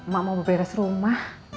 mak mau beres rumah